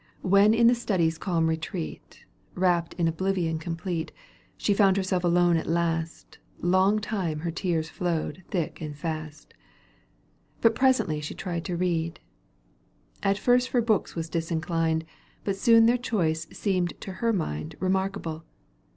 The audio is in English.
When in the study's calm retreat, Wrapt in oblivion complete. She found herself alone at last, Longtime her tears flowed thick and fast ; But presently she tried to read ; At first for books was disinclined, But soon their choice seemed to her mind Eemarkable.